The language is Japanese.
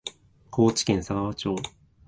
高知県佐川町